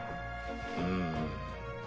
うん。